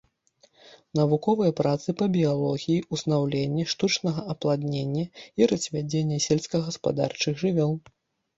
Навуковыя працы па біялогіі ўзнаўлення, штучнага апладнення і развядзення сельскагаспадарчых жывёл.